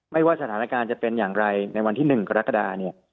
ว่าสถานการณ์จะเป็นอย่างไรในวันที่๑กรกฎาเนี่ย